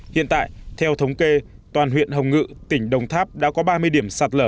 hiện tại theo thống kê toàn huyện hồng ngự tỉnh đồng tháp đã có ba mươi điểm sạt